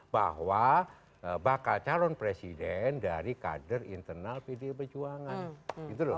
bahwa bakal calon presiden dari kader internal pdi perjuangan gitu loh